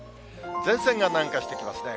前線が南下してきますね。